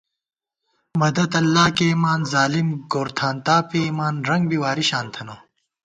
مددتہ اللہ کېئیمان ظالم گورتھانتا پېئیمان، رنگ بی واری شان تھنہ